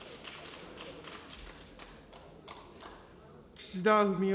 岸田文雄